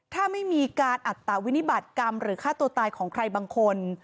ถ้าไม่มีการอัตตวินิบัติกรรมหรือฆ่าตัวตายของใครบางคน